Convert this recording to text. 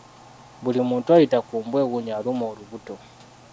Buli muntu ayita ku mbwa ewunya alumwa olubuto.